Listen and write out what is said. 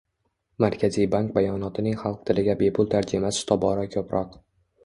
Markaziy bank bayonotining xalq tiliga bepul tarjimasi tobora ko'proq